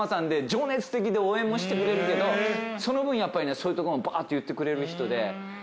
情熱的で応援もしてくれるけどその分やっぱりそういうとこもバーって言ってくれる人で。